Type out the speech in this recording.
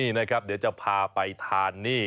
คล้ายกับตาข่ายแบบนี้